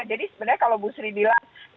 jadi sebenarnya kalau bu sri bilang